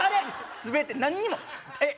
全て何にもえっ